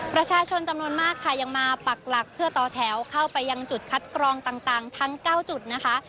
ประชาชนจำนวนมากค่ะยังมาปักหลักเพื่อต่อแถวเข้าไปยังจุดคัดกรองต่างทั้ง๙จุดนะคะ